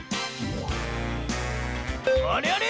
あれあれ？